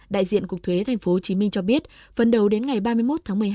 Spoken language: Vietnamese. đại diện cục thuế tp hcm cho biết phần đầu đến ngày ba mươi một tháng một mươi hai